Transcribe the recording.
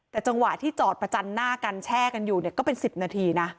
แต่จังหวะที่จอดประจันหน้ากันแช่กันอยู่เนี่ยก็เป็น๑๐นาทีนะ